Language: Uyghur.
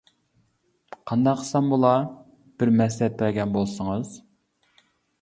قانداق قىلسام بولار؟ بىر مەسلىھەت بەرگەن بولسىڭىز!